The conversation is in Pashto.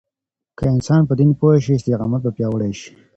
که انسان په دين پوه شي، استقامت به پیاوړی شي.